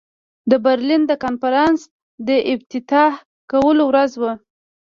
د برلین د کنفرانس د افتتاح کېدلو ورځ وه.